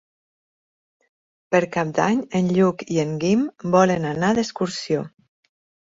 Per Cap d'Any en Lluc i en Guim volen anar d'excursió.